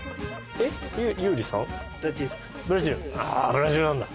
ブラジルなんだ。